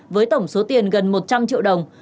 với tổng số tiền gần một trăm linh triệu đồng